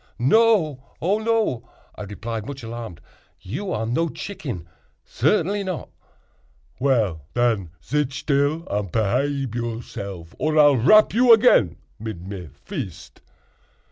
"No—oh no!" I replied, much alarmed, "you are no chicken—certainly not." "Well, den, zit still and pehabe yourself, or I'll rap you again mid me vist.